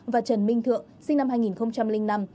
và trần minh thượng sinh năm hai nghìn năm